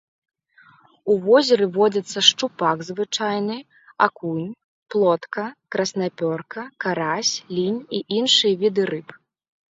У возеры водзяцца шчупак звычайны, акунь, плотка, краснапёрка, карась, лінь і іншыя віды рыб.